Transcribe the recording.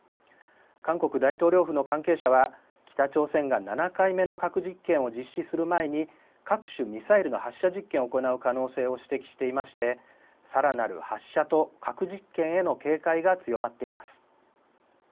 韓国大統領府の関係者は北朝鮮が７回目の核実験を実施する前に各種ミサイルの発射実験を行う可能性を指摘していましてさらなる発射と核実験への警戒が強まっています。